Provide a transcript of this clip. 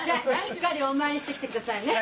しっかりお参りしてきてくださいね。